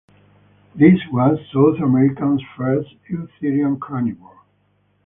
This was South America's first eutherian carnivore.